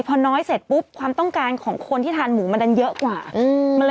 พอน้อยเสร็จปุ๊บความต้องการของคนที่ทานหมูมันดันเยอะกว่า